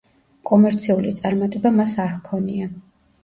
კომერციული წარმატება მას არ ჰქონია.